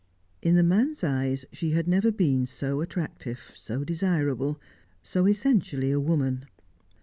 In the man's eyes she had never been so attractive, so desirable, so essentially a woman.